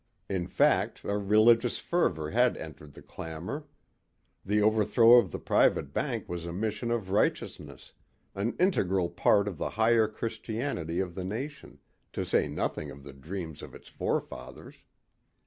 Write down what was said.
In fact a religious fervor had entered the clamor. The overthrow of the private bank was a mission of righteousness an integral part of the higher Christianity of the nation to say nothing of the dreams of its forefathers.